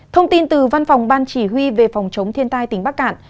thông tin từ văn phòng ban chỉ huy về phòng chống thiên tai tỉnh bắc cạn